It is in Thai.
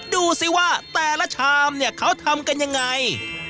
ดูสิว่าแต่ละชามเนี่ยเขาทำกันยังไง